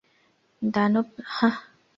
দানব, হাহ?